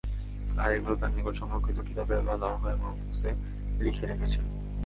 আর এগুলো তাঁর নিকট সংরক্ষিত কিতাবে বা লাওহে মাহফুযে লিখে রেখেছেন।